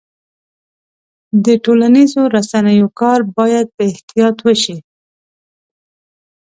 د ټولنیزو رسنیو کار باید په احتیاط وشي.